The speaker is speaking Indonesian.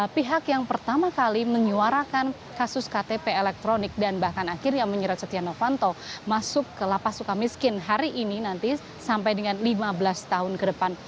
pihak yang pertama kali menyuarakan kasus ktp elektronik dan bahkan akhirnya menyerat setia novanto masuk ke lapas suka miskin hari ini nanti sampai dengan lima belas tahun ke depan